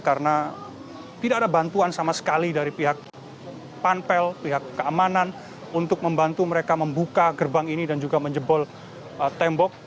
karena tidak ada bantuan sama sekali dari pihak panpel pihak keamanan untuk membantu mereka membuka gerbang ini dan juga menjebol tembok